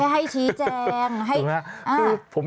ขอแค่ให้ชี้แจง